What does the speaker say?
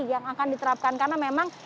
yang akan diterapkan karena memang